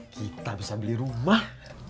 kita bisa beli rumah